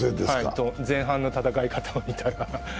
前半の戦い方を見たら。